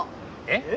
えっ？